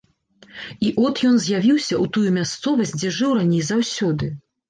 І от ён з'явіўся ў тую мясцовасць, дзе жыў раней заўсёды.